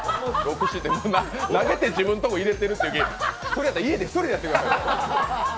投げて自分のとこ入れてるってそれやったら家で１人でやってくださいよ。